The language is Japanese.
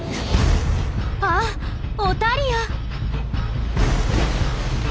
あっオタリア！